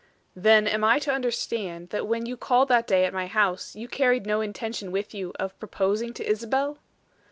"Then, am I to understand, that when you called that day at my house, you carried no intention with you of proposing to Isabel?"